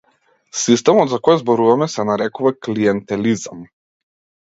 Системот за кој зборуваме се нарекува клиентелизам.